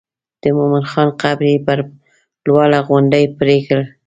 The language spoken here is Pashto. د مومن خان قبر یې پر لوړه غونډۍ پرېکړ.